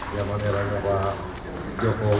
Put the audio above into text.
yang menerangnya pak jokowi